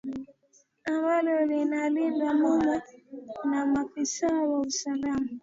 ambalo linalindwa mumo na maafisa wa usalama